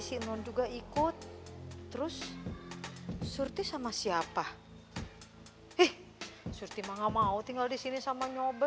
sih non juga ikut terus surti sama siapa eh surti ma ngga mau tinggal di sini sama nyobes